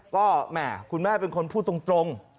ก็แหมคุณแม่เป็นคนพูดตรง